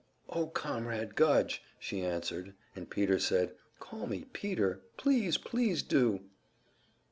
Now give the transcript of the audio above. "Oh, Comrade Gudge," she answered, and Peter said, "Call me `Peter.' Please, please do."